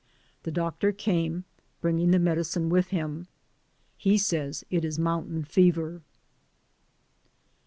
The doctor came, bringing the medicine with him. He says it is mountain fever.